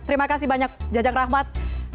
terima kasih banyak jajang rahmat